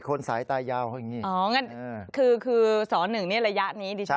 คนสายตายาวเขาอย่างนี้อ๋องั้นคือคือสอหนึ่งนี่ระยะนี้ดิฉัน